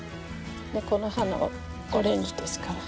この花はオレンジですから。